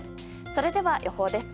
それでは予報です。